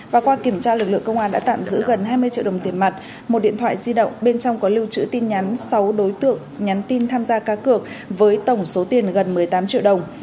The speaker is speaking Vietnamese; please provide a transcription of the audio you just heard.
và qua kiểm tra lực lượng công an đã tạm giữ gần hai mươi triệu đồng tiền mặt một điện thoại di động bên trong có lưu trữ tin nhắn sáu đối tượng nhắn tin tham gia cá cược với tổng số tiền gần một mươi tám triệu đồng